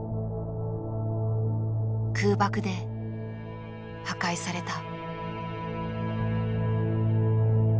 空爆で破壊された。